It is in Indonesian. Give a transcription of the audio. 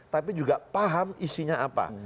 tapi juga paham isinya apa